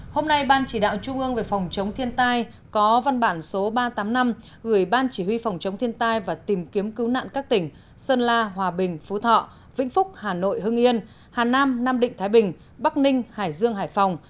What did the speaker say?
hôm nay ban chỉ đạo trung ương về phòng chống thiên tai có văn bản số ba trăm tám mươi năm gửi ban chỉ huy phòng chống thiên tai và tìm kiếm cứu nạn các tỉnh sơn la hòa bình phú thọ vĩnh phúc hà nội hưng yên hà nam nam định thái bình bắc ninh hải dương hải phòng